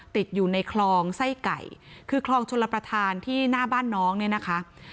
ติดอยู่ในคลองไส้ไก่คือคลองชลประธานที่หน้าบ้านน้องเนี่ยนะคะ